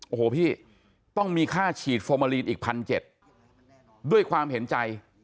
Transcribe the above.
โอ้โหพี่ต้องมีค่าฉีดฟอร์มาลีนอีกพันเจ็ดด้วยความเห็นใจ